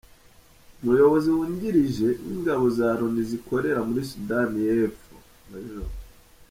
Umuyobozi wungirije w’ingabo za Loni zikorera muri Sudani y’Epfo, Maj.